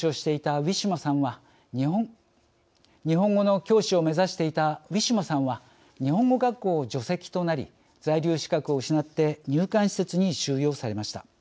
日本語の教師を目指していたウィシュマさんは日本語学校を除籍となり在留資格を失って入管施設に入管されました。